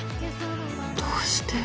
どうして。